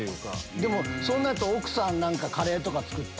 でもそうなると奥さんカレーとか作って。